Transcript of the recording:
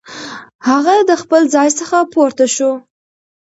هغه د خپل ځای څخه پورته شو.